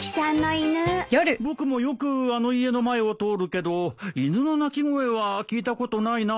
僕もよくあの家の前を通るけど犬の鳴き声は聞いたことないな。